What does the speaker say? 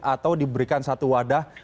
atau diberikan satu wadah